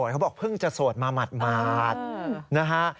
เขาบอกเพิ่งจะโสดมาหมาดนะฮะ